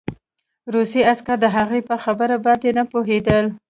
روسي عسکر د هغه په خبره باندې نه پوهېدل